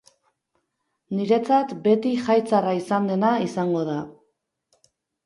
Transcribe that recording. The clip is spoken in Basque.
Niretzat beti jaitzarra izan dena izango da.